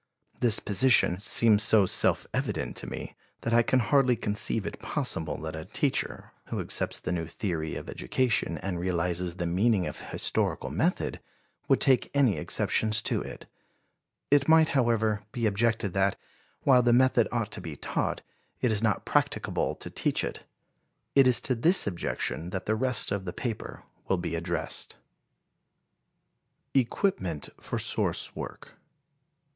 This position seems so self evident to me that I can hardly conceive it possible that a teacher, who accepts the new theory of education and realizes the meaning of historical method, would take any exceptions to it. It might, however, be objected that, while the method ought to be taught, it is not practicable to teach it. It is to this objection that the rest of the paper will be addressed. Equipment for Source Work.